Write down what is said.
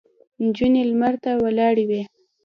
نجونې لمر ته ولاړې وې.